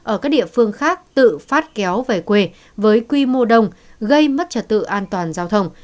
ở các địa phương khác tự phát kéo về quê với quy mô đông gây mất trật tự an toàn giao thông